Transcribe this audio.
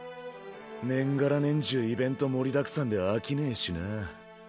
年がら年中イベント盛りだくさんで飽きねぇしな。